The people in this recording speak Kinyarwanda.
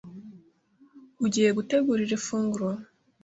Ugiye gutegura iri funguro,